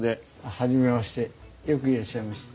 初めましてよくいらっしゃいました。